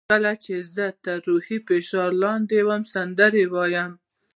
کله چې زه تر روحي فشار لاندې یم سندرې وایم.